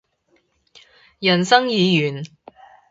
人生已完